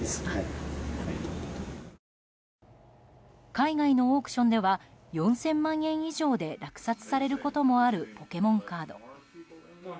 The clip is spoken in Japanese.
海外のオークションでは４０００万円以上で落札されることもあるポケモンカード。